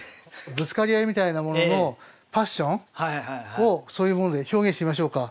ぶつかり合いみたいなもののパッションをそういうもので表現しましょうか。